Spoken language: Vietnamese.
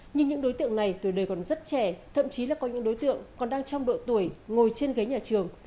nhưng những đối tượng này tuổi đời còn rất trẻ thậm chí là có những đối tượng còn đang trong độ tuổi ngồi trên ghế nhà trường